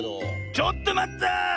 ちょっとまった！